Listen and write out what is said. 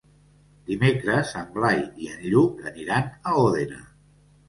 Dimecres en Blai i en Lluc aniran a Òdena.